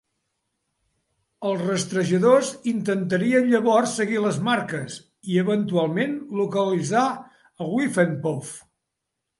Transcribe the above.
Els rastrejadors intentarien llavors seguir les marques, i eventualment localitzar el Whiffenpoof.